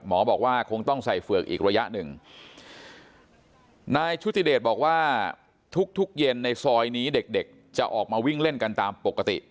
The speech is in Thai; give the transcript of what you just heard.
หมอบอกว่าคงต้องใส่เฝือกอีกระยะหนึ่งนายชุติเดชบอกว่าทุกทุกเย็นในซอยนี้เด็กเด็กจะออกมาวิ่งเล่นกันตามปกติ